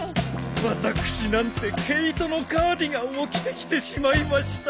私なんて毛糸のカーディガンを着てきてしまいました。